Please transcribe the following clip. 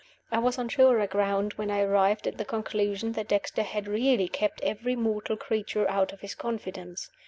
I was on surer ground when I arrived at the conclusion that Dexter had really kept every mortal creature out of his confidence.